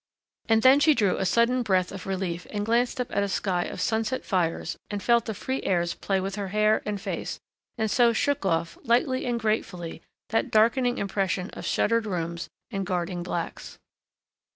And then she drew a sudden breath of relief and glanced up at a sky of sunset fires and felt the free airs play with her hair and face and so shook off, lightly and gratefully, that darkening impression of shuttered rooms and guarding blacks.